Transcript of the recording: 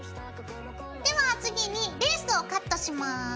では次にレースをカットします。ＯＫ！